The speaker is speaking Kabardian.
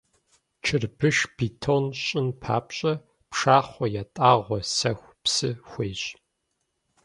Чырбыш, бетон щӀын папщӀэ пшахъуэ, ятӀагъуэ, сэху, псы хуейщ.